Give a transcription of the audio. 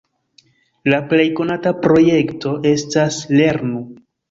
La plej konata projekto estas "lernu!".